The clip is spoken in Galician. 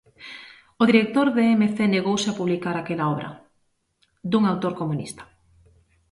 "O director de Emecé negouse a publicar aquela obra "dun autor comunista"."